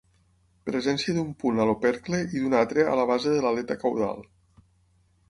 Presència d'un punt a l'opercle i d'un altre a la base de l'aleta caudal.